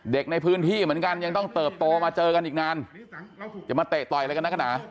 เด็กในพื้นที่เหมือนกันยังต้องเติบโตมาเจอกันอีกนานจะมาเตะต่อยอะไรกันนักหนา